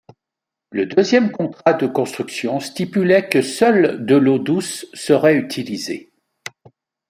Le deuxième contrat de construction stipulait que seule de l'eau douce serait utilisée.